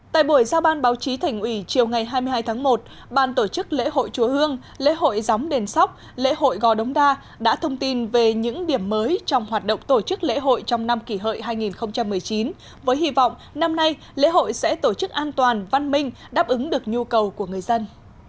tại buổi giao ban báo chí thành ủy chiều ngày hai mươi hai tháng một ban tổ chức lễ hội chúa hương lễ hội gióng đền sóc lễ hội gò đống đa đã thông tin về những điểm mới trong hoạt động tổ chức lễ hội trong năm kỷ hợi hai nghìn một mươi chín với hy vọng năm nay lễ hội sẽ tổ chức an toàn văn minh đáp ứng được nhu cầu của người dân